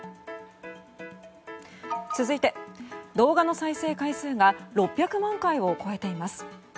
続いて、動画の再生回数が６００万回を超えています。